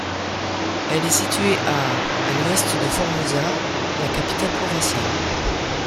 Elle est située à à l'ouest de Formosa, la capitale provinciale.